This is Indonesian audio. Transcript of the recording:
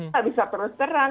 nggak bisa terus terang